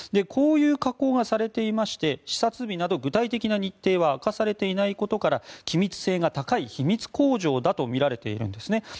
こういう加工がされていまして視察日など具体的な日程は明かされていないことから機密性が高い秘密工場だとみられているんですね。